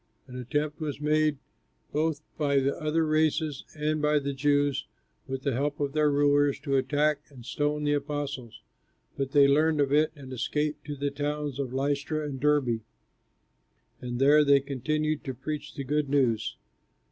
An attempt was made both by the other races and by the Jews, with the help of their rulers, to attack and stone the apostles; but they learned of it and escaped to the towns of Lystra and Derbe, and there they continued to preach the good news.